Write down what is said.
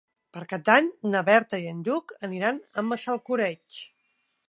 Per Cap d'Any na Berta i en Lluc aniran a Massalcoreig.